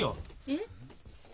えっ？